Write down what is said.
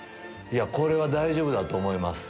いやこれは大丈夫だと思います。